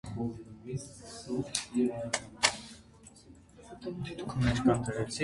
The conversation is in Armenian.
Նյարդային բջջիջների այդպիսի կուտակումները կոչվում են վեգետատիվ կորիզներ։